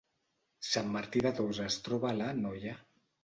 Sant Martí de Tous es troba a l’Anoia